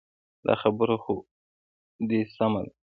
دا خبره خو دې سمه ده.